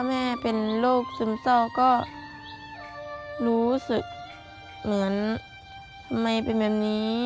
แม่เป็นโรคซึมเศร้าก็รู้สึกเหมือนทำไมเป็นแบบนี้